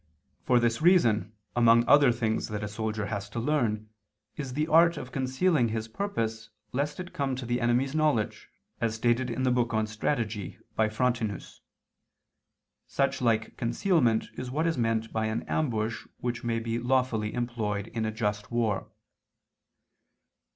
For this reason among other things that a soldier has to learn is the art of concealing his purpose lest it come to the enemy's knowledge, as stated in the Book on Strategy [*Stratagematum i, 1] by Frontinus. Such like concealment is what is meant by an ambush which may be lawfully employed in a just war.